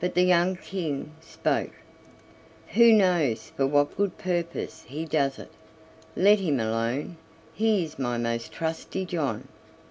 But the young King spoke: "Who knows for what good purpose he does it? Let him alone, he is my most trusty John."